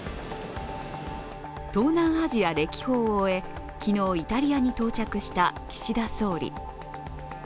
東南アジア歴訪を終え、昨日、イタリアに到着した岸田総理。